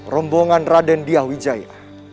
rombongan raden diyah wijaya